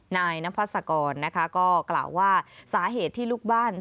นายนพัศกรนะคะก็กล่าวว่าสาเหตุที่ลูกบ้าน